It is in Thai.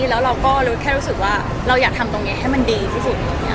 แล้วเราก็แค่รู้สึกว่าเราอยากทำตรงนี้ให้มันดีที่สุด